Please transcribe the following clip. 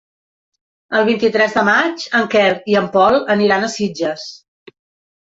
El vint-i-tres de maig en Quer i en Pol aniran a Sitges.